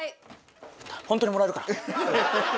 ホントにもらえるから。